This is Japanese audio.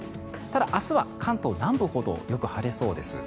ただ、明日は関東南部ほどよく晴れそうです。